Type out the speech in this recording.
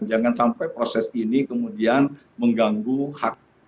jangan sampai proses ini kemudian mengganggu hak seluruh santri